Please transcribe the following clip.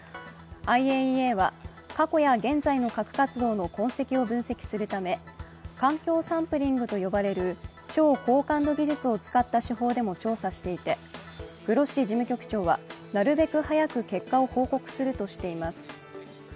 ＩＡＥＡは過去や現在の核活動の痕跡を分析するため環境サンプリングと呼ばれる超高感度技術を使った手法でも調査していて、グロッシ事務局長はなるべく早く結果を報告するとしています。